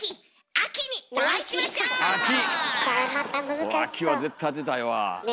秋は絶対当てたいわ。ね！